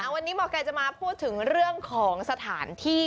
วันนี้หมอไก่จะมาพูดถึงเรื่องของสถานที่